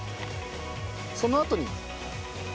そのあとに油を。